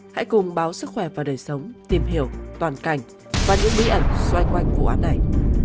hãy cùng báo sức khỏe và đời sống tìm hiểu toàn cảnh và những bí ẩn xoay quanh vụ án này